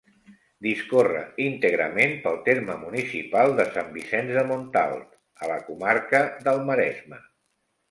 Discorre íntegrament pel terme municipal de Sant Vicenç de Montalt, a la comarca del Maresme.